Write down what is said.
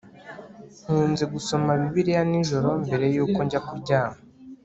nkunze gusoma bibiliya nijoro mbere yuko njya kuryama